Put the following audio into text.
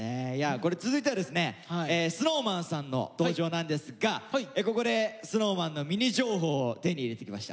続いてはですねＳｎｏｗＭａｎさんの登場なんですがここでＳｎｏｗＭａｎのミニ情報を手に入れてきました。